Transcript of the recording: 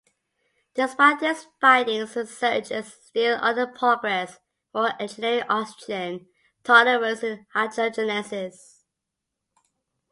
Despite these findings, research is still under progress for engineering oxygen tolerance in hydrogenases.